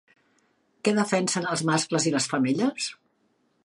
Què defensen els mascles i les femelles?